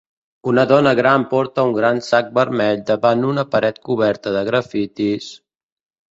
Una dona gran porta un gran sac vermell davant una paret coberta de grafits...